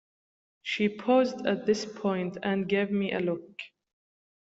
She paused at this point and gave me a look.